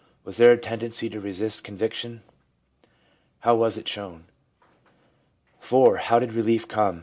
Was there a tendency to resist conviction? How was it shown ? 1 IV. How did relief come?